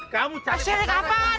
kamu cakik apaan loh